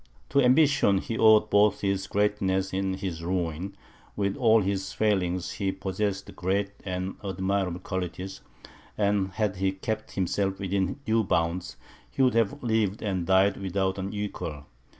To ambition, he owed both his greatness and his ruin; with all his failings, he possessed great and admirable qualities, and had he kept himself within due bounds, he would have lived and died without an equal.